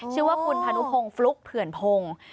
ชื่อว่าคุณพานุพงศ์ฟลุ๊กเผื่อนพงศ์